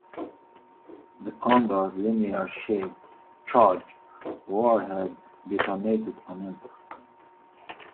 The Condor's linear shaped charge warhead detonated on impact.